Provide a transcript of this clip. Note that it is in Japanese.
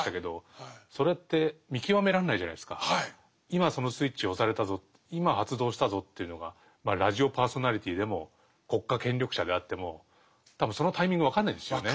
今そのスイッチを押されたぞ今発動したぞというのがラジオパーソナリティーでも国家権力者であっても多分そのタイミング分かんないですよね。